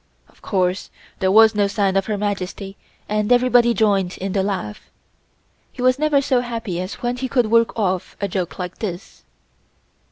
Of course there was no sign of Her Majesty and everybody joined in the laugh. He was never so happy as when he could work off a joke like this.